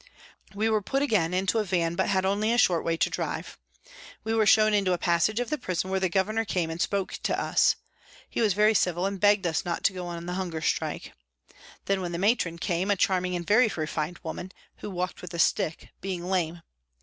We were put again into a van, but had only a short way to drive. We were shown into a passage of the prison where the governor came and spoke to us. He was very civil, and begged us not to go on the hunger strike. Then the Matron came, a charming and very refined woman, who walked with a stick, being lame.